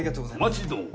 お待ちどお。